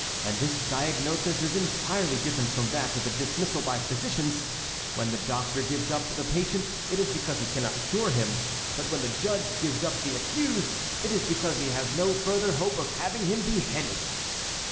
And this diagnosis is entirely different from that of a dismissal by physicians. When the doctor gives up the patient it is because he cannot cure him, but when the judge gives up the accused it is because he has no further hope of having him beheaded."